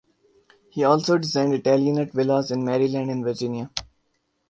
He also designed Italianate villas in Maryland and Virginia.